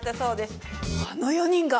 あの４人が！